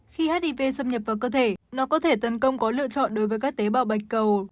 khi hip xâm nhập vào cơ thể nó có thể tấn công có lựa chọn đối với các tế bào bạch cầu